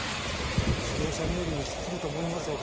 指導者冥利に尽きると思いますよ。